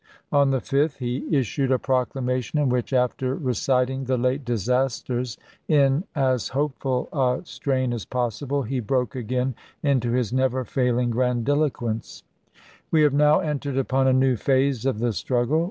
On the 5th he issued a proclamation, in which, after reciting the late disasters in as hopeful a strain as possible, he broke again into his never failing grandiloquence : We have now entered upon a new phase of the struggle.